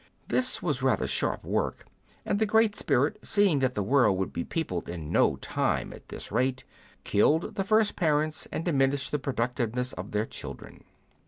This was rather sharp work, and the Great Spirit, seeing that the world would be peopled in no time, at this rate, killed the first parents, and diminished the productiveness of their children.